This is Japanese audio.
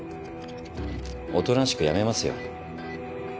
おとなしく辞めますよ。